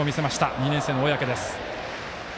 ２年生の小宅です。